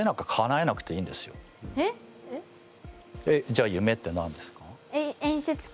じゃあ夢って何ですか？